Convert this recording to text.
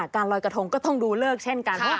รอยกระทงก็ต้องดูเลิกเช่นกัน